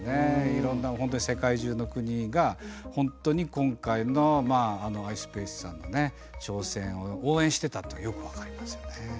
いろんな本当に世界中の国が本当に今回のｉｓｐａｃｅさんの挑戦を応援してたっていうのがよく分かりますよね。